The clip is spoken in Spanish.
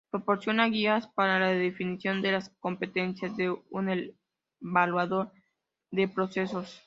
Proporciona guías para la definición de las competencias de un evaluador de procesos.